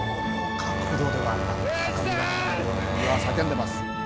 叫んでます。